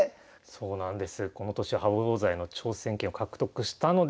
そうなんです。